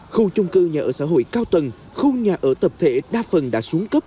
khu trung cư nhà ở xã hội cao tầng khu nhà ở tập thể đa phần đã xuống cấp